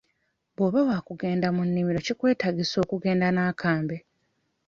Bw'oba waakugenda mu nnimiro kikwetaagisa okugenda n'akambe.